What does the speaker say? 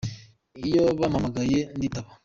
iyo bampamagaye nditaba.